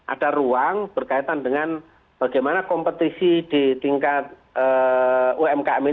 ada ruang berkaitan dengan bagaimana kompetisi di tingkat umkm ini